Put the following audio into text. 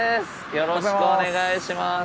よろしくお願いします。